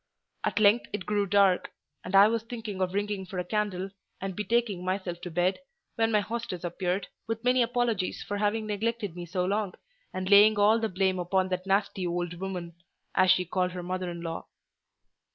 At length it grew dark; and I was thinking of ringing for a candle, and betaking myself to bed, when my hostess appeared, with many apologies for having neglected me so long, and laying all the blame upon that "nasty old woman," as she called her mother in law.